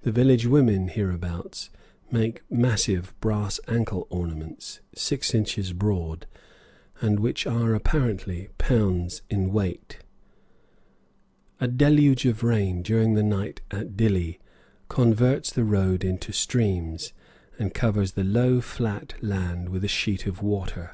The village women hereabouts wear massive brass ankle ornaments, six inches broad, and which are apparently pounds in weight. A deluge of rain during the night at Dilli converts the road into streams, and covers the low, flat land with a sheet of water.